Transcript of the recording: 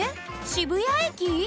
渋谷駅？